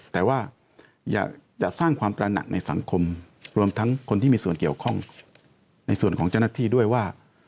แต่ว่าอยากจะสร้างความตระหนักในสังคมรวมทั้งคนที่มีส่วนเกี่ยวข้องในส่วนของเจ้าหน้าที่ด้วยว่า